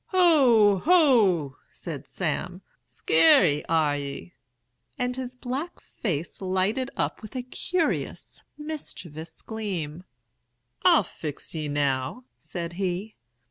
"'Ho! ho!' said Sam, 'skeery, ar ye?' and his black face lighted up with a curious, mischievous gleam. 'I'll fix ye now,' said he.